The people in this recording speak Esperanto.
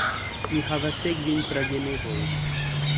Mi havas dekkvin pragenevoj.